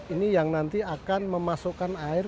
ini yang nanti akan memasukkan air